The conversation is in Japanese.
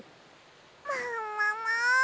ももも！